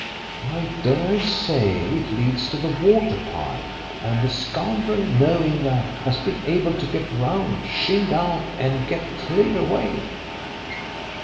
"I daresay it leads to the water pipe, and the scoundrel, knowing that, has been able to get round, shin down, and get clear away."